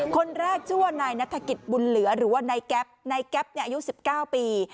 คนแรกชั่วในนัตรกิจบุญเหลือหรือว่าในแก๊ปในแก๊ปเนี้ยอายุสิบเก้าปี